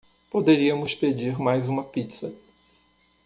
Poderíamos pedir mais uma pizza